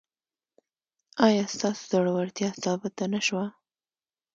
ایا ستاسو زړورتیا ثابته نه شوه؟